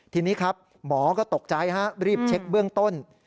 ทีนี้ครับหมอก็ตกใจฮะรีบเช็คเบื้องต้น